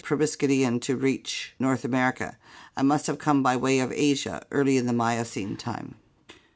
proboscidean to reach North America and must have come by way of Asia early in Miocene time.